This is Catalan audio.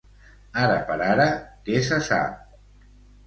Ara per ara, què se sap?